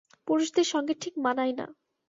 পুরুষদের সঙ্গে ঠিক মানায় না।